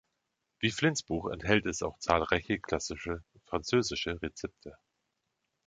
Wie Flinns Buch enthält es auch zahlreiche klassische französische Rezepte.